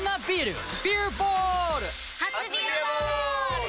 初「ビアボール」！